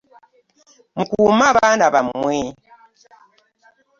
Mukuume abaana bamwe.